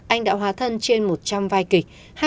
anh đã hóa thân trên một trăm linh vai kịch